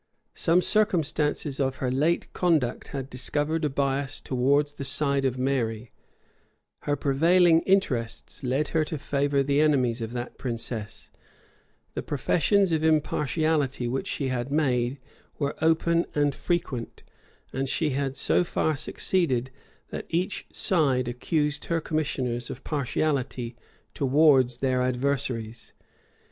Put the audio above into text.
Some circumstances of her late conduct had discovered a bias towards the side of Mary: her prevailing interests led her to favor the enemies of that princess: the professions of impartiality which she had made were open and frequent; and she had so far succeeded, that each side accused her commissioners of partiality towards their adversaries.